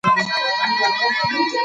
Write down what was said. د کتابونو چاپول او لوستل عام کړئ.